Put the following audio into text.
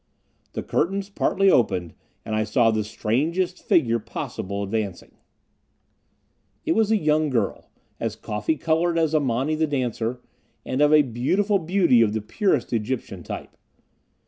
The curtains partly opened, and I saw the strangest figure possible advancing. It was a young girl, as coffee coloured as Amani the dancer, and of a perfect beauty of the purest Egyptian type.